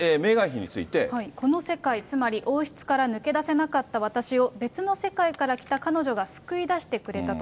この世界、つまり王室から抜け出せなかった私を、別の世界から来た彼女が救い出してくれたと。